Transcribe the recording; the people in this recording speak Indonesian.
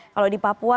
kalau di papua